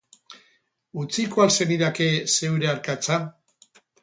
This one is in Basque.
Utziko al zenidake zeure arkatza?